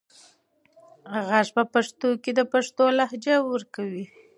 غږ په پښتو کې د پښتو لهجه ورکوي.